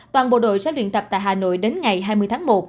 toàn bộ đội sẽ luyện tập tại hà nội đến ngày hai mươi tháng một